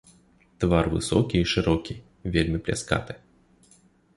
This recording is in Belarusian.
Твар высокі і шырокі, вельмі пляскаты.